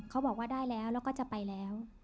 เขาบอกว่าได้แล้วแล้วก็จะไปแล้ว